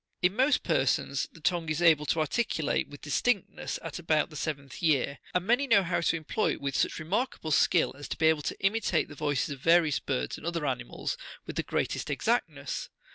55 In most persons the tongue is able to articulate with distinctness at about the seventh year ; and many know how to employ it with such re markable skill, as to be able to imitate the voices of various birds and other animals with the greatest exactness.